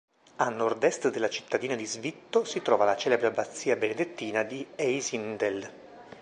A nord-est della cittadina di Svitto si trova la celebre abbazia benedettina di Einsiedeln.